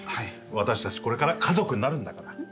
私たちこれから家族になるんだから。